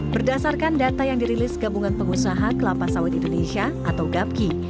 berdasarkan data yang dirilis gabungan pengusaha kelapa sawit indonesia atau gapki